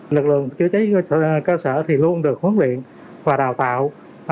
lực lượng chữa cháy cơ sở thì luôn được huấn luyện và đào tạo